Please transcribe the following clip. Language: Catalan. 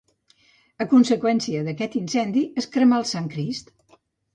A conseqüència d'aquest incendi es cremà el Sant Crist.